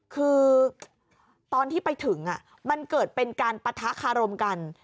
คือตอนที่ไปถึงมันเกิดเป็นการปะทะคารมกัน